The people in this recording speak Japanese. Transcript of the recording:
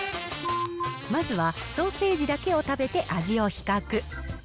まずはソーセージだけを食べて味を比較。